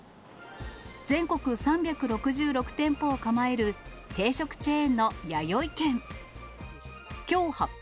全国３６６店舗を構える定食チェーンのやよい軒。